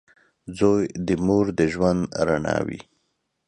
• زوی د مور د ژوند رڼا وي.